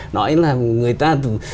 nói là người ta